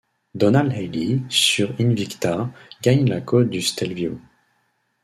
Donald Healey sur Invicta gagne la côte du Stelvio.